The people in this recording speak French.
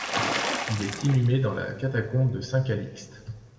Il est inhumé dans la catacombe de Saint-Calixte.